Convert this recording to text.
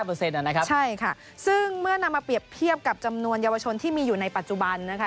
ใช่ค่ะซึ่งเมื่อนำมาเปรียบเทียบกับจำนวนเยาวชนที่มีอยู่ในปัจจุบันนะคะ